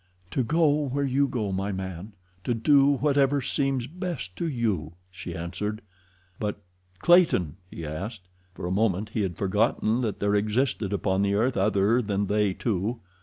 "To go where you go, my man; to do whatever seems best to you," she answered. "But Clayton?" he asked. For a moment he had forgotten that there existed upon the earth other than they two.